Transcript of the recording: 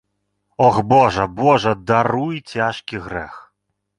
Ох, божа, божа, даруй цяжкі грэх.